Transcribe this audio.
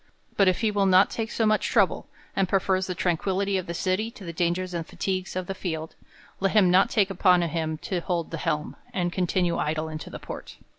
But if he will not take so much trouble, and prefers the tranquillity of the city to the dangers and fatigues of the field, let him not take upon him to hold the helm, and continue idle in the port.